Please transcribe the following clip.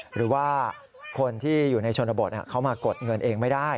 หรือว่าคนที่อยู่ในชนบทเขามากดเงินเองไม่ได้